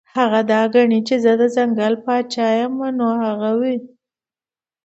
هغه دا ګڼي چې زۀ د ځنګل باچا يمه نو هغه وي -